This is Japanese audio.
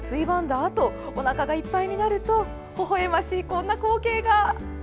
あとおなかがいっぱいになるとほほえましい、こんな光景が。